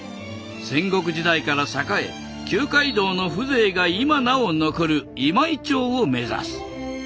戦国時代から栄え旧街道の風情が今なお残る今井町を目指す。